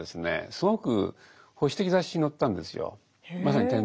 すごく保守的雑誌に載ったんですよ。